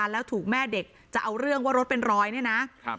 แล้วถูกแม่เด็กจะเอาเรื่องว่ารถเป็นร้อยเนี่ยนะ